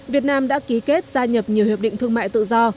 việt nam đã ký kết gia nhập nhiều hiệp định thương mại tự do